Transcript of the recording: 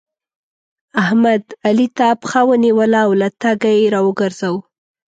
احمد؛ علي ته پښه ونيوله او له تګه يې راوګرځاوو.